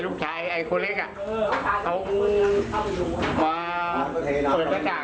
ลูกชายไอ้คุณเล็กส์นี้